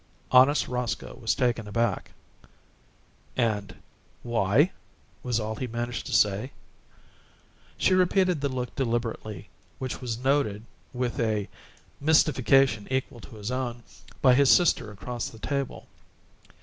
Honest Roscoe was taken aback, and "Why?" was all he managed to say. She repeated the look deliberately, which was noted, with a mystification equal to his own, by his sister across the table.